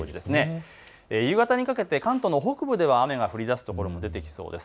夕方にかけて、関東の北部で雨が降りだすところも出てきそうです。